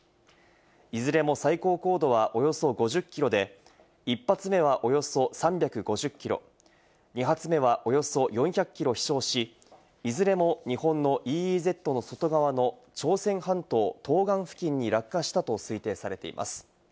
いずれも最高高度はおよそ５０キロで、１発目はおよそ３５０キロ、２発目はおよそ４００キロ飛翔し、いずれも日本のＥＥＺの外側の朝鮮半島東岸付近に落下したと推定されています。